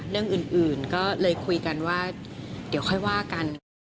เรื่องอื่นก็เลยคุยกันว่าเดี๋ยวค่อยว่ากัน